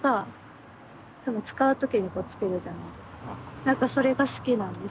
なんかそれが好きなんです。